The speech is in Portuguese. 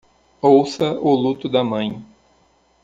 Ouça o luto da mãe